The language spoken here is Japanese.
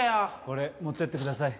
これ持っていってください。